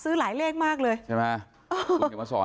ซื้อบ้านอะไรนี้ไม่เก็บให้หมดไปตอน